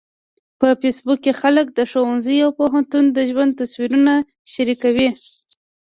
په فېسبوک کې خلک د ښوونځي او پوهنتون د ژوند تصویرونه شریکوي